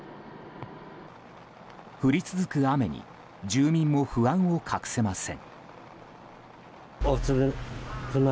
降り続く雨に住民も不安を隠せません。